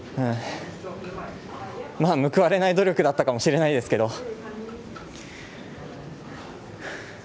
まあ報われない努力だったかもしれないですけど。